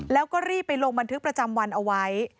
แล้วก็รีบไปลงบันทึกประจำวันเอาไว้